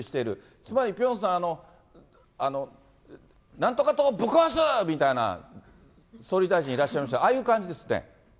つまりピョンさん、なんとか党をぶっ壊す！みたいな総理大臣いらっしゃいましたが、ああいう感じですね。